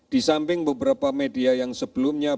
di samping beberapa media yang sebelumnya